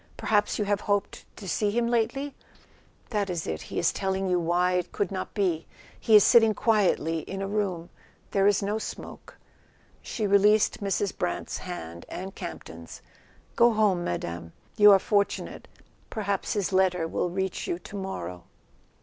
Perhaps you have hoped to see him lately? That is it; he is telling [ 246 ] A SON AT THE FRONT you why it could not be. He is sitting quietly in a room. There is no smoke." She released Mrs. Brant's hand and Campton's. "Go home, Madame. You are for¬ tunate. Perhaps his letter will reach you tomorrow."